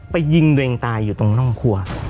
ยิงตัวเองตายอยู่ตรงร่องครัว